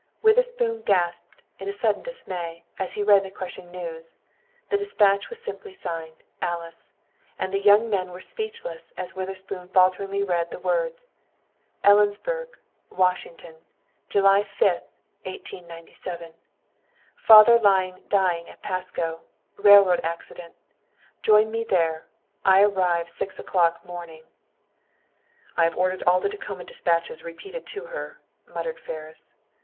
Witherspoon gasped, in a sudden dismay, as he read the crushing news. The dispatch was simply signed "Alice," and the young men were speechless as Witherspoon falteringly read the words: "Ellensburg, Washington, July 5, 1897. Father lying dying at Pasco. Railroad accident. Join me there. I arrive six o'clock morning." "I have ordered all the Tacoma dispatches repeated to her," muttered Ferris.